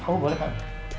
oh boleh pak